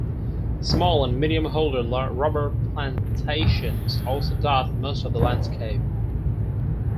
Small and medium-holder rubber plantations also dot most of the landscape.